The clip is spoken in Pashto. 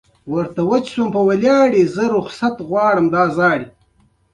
لکه خُم ته د رنګرېز چي وي لوېدلی